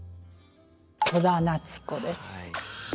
戸田奈津子です。